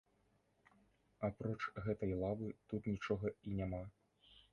Апроч гэтай лавы, тут нічога і няма.